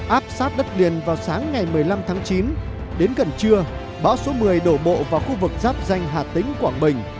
áp sát đất liền vào sáng ngày một mươi năm tháng chín đến gần trưa bão số một mươi đổ bộ vào khu vực giáp danh hà tĩnh quảng bình